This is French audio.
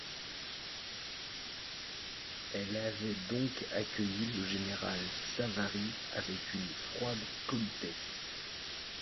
Elle avait donc accueilli le général Savary avec une froide politesse.